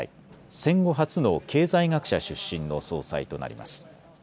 戦後初の経済学者出身の総裁となります。